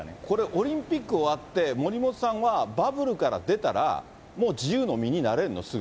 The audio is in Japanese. これ、オリンピック終わって、森本さんはバブルから出たら、もう自由の身になれるの？